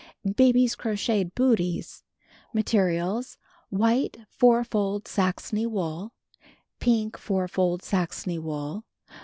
BABY'S CROCHETED BOOTEES Materials: White four fold Saxony wool. Pink four fold Saxony wool.